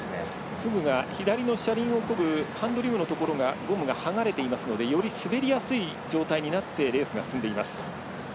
フグが左の車輪をこぐハンドリムのところがゴムが剥がれていますのでより滑りやすい状態になってレースが進んでいます。